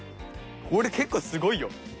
これ結構すごいよ。